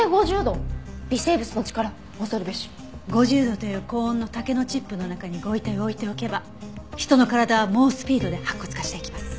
５０度という高温の竹のチップの中にご遺体を置いておけば人の体は猛スピードで白骨化していきます。